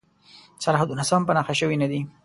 سرحدونه سم په نښه شوي نه دي.